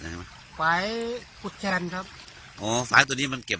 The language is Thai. หลายปันนพ้อหลายนะครับ